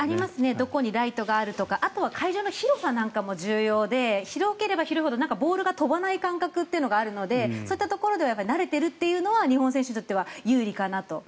どこにライトがあるとかあとは会場の広さなんかも重要で広ければ広いほどボールが飛ばない感覚があるのでそういった意味では慣れているのは日本選手にとっては有利かなと。